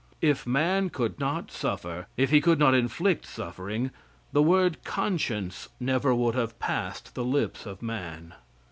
If man could not suffer, if he could not inflict suffering, the word conscience never would have passed the lips of man.